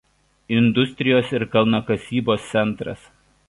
Industrijos ir kalnakasybos centras.